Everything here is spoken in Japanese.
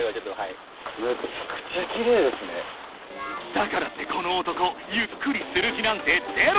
［だからってこの男ゆっくりする気なんてゼロ］